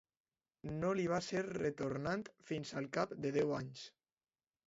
No li va ser retornat fins al cap de deu anys.